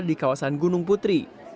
di kawasan gunung putri